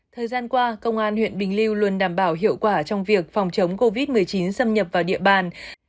thời gian qua công an huyện bình liêu luôn đảm bảo hiệu quả trong việc phòng chống covid một mươi chín xâm nhập vào địa bàn